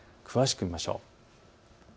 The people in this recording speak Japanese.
詳しく見ましょう。